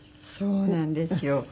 そうなんですよ。